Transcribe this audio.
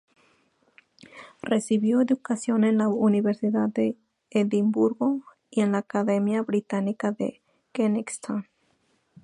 Recibió educación en la Universidad de Edimburgo y en la Academia Británica, en Kensington.